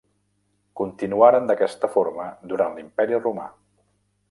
Continuaren d'aquesta forma durant l'Imperi romà.